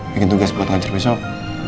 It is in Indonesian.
bikin tugas buat ngajar besok